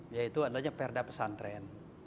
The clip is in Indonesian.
yaitu adanya perda pesantren